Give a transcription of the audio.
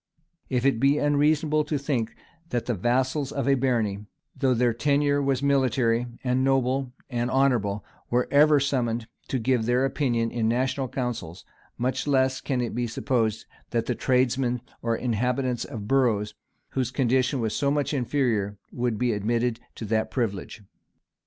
] If it be unreasonable to think that the vassals of a barony, though their tenure was military, and noble, and honorable, were ever summoned to give their opinion in national councils, much less can it be supposed that the tradesmen or inhabitants of boroughs, whose condition was so much inferior, would be admitted to that privilege.